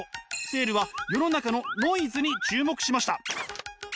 セールは世の中のノイズに注目しました。